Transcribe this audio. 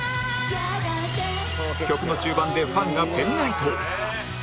曲の中盤でファンがペンライトを